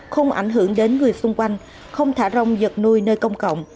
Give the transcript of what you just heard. không ảnh hưởng đến người xung quanh không thả rông vật nuôi nơi công cộng